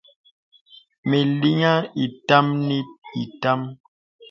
Mə liŋhəŋ itām ni itām.